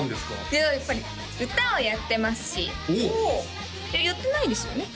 いややっぱり歌をやってますしやってないですよね？